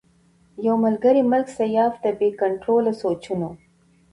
يو ملکري ملک سياف د بې کنټروله سوچونو